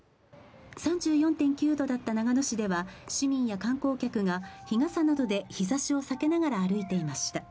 ３４．９度だった長野市では、市民や観光客が日傘などで日ざしを避けながら歩いていました。